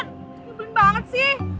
ngebelin banget sih